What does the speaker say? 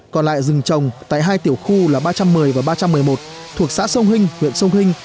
còn lại rừng trồng tại hai tiểu khu là ba trăm một mươi và ba trăm một mươi một thuộc xã sông hinh huyện sông hình